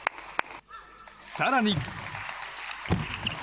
更に。